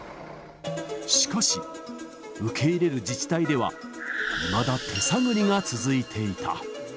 しかし、受け入れる自治体では、いまだ手探りが続いていた。